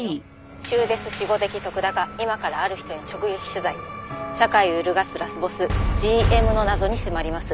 「『週デス』しごでき徳田が今からある人に直撃取材」「社会を揺るがすラスボスＧＭの謎に迫ります」